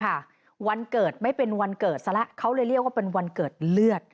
วันเกิดไม่เป็นวันเกิดซะแล้วเขาเลยเรียกว่าเป็นวันเกิดเลือด